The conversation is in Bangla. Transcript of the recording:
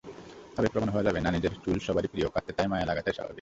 আবেগপ্রবণ হওয়া যাবে নানিজের চুল সবারই প্রিয়, কাটতে তাই মায়া লাগাটাই স্বাভাবিক।